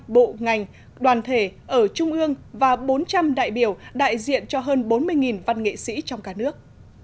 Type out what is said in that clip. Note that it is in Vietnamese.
bộ ngành đoàn thể ở trung ương và bốn trăm linh đại biểu đại diện cho hơn bốn mươi văn nghệ sĩ trong cả nước